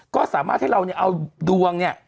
ก็สามารถให้เราเนี่ยเอาดวงเนี่ย